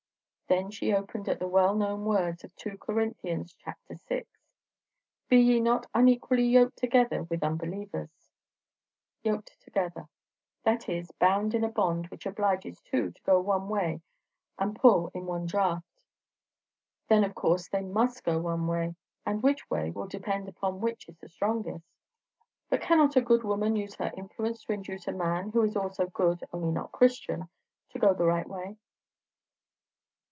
Then she opened at the well known words in 2 Corinthians, chap. vi. "Be ye not unequally yoked together with unbelievers" "Yoked together." That is, bound in a bond which obliges two to go one way and pull in one draught. Then of course they must go one way; and which way, will depend upon which is strongest. But cannot a good woman use her influence to induce a man who is also good, only not Christian, to go the right way?